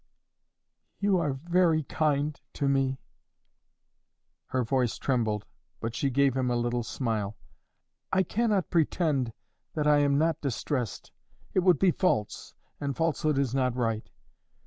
"You are very kind to me." Her voice trembled, but she gave him a little smile. "I cannot pretend that I am not distressed; it would be false, and falsehood is not right.